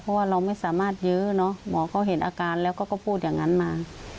เพราะว่าเราไม่สามารถเยอะเนอะหมอก็เห็นอาการแล้วก็พูดอย่างนั้นมา